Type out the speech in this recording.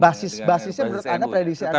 basisnya menurut anda predisi ada seperti apa